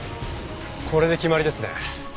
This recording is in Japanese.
これで決まりですね。